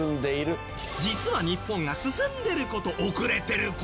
実は日本が進んでる事遅れてる事